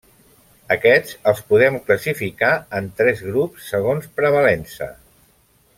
Aquests, els podem classificar en tres grups segons prevalença.